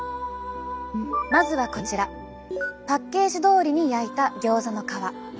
まずはこちらパッケージどおりに焼いたギョーザの皮。